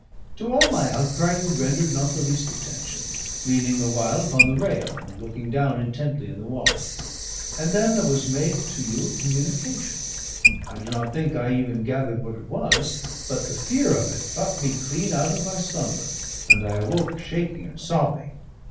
To all my outcry you rendered not the least attention, leaning the while upon the rail and looking down intently in the water. And then there was made to you a communication; I do not think I even gathered what it was, but the fear of it plucked me clean out of my slumber, and I awoke shaking and sobbing.